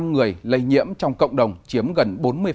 một trăm linh năm người lây nhiễm trong cộng đồng chiếm gần bốn mươi